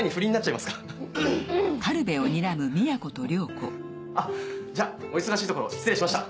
うん？あっじゃあお忙しいところ失礼しました。